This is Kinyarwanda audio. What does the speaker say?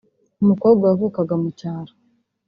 umukobwa wavukaga mu cyaro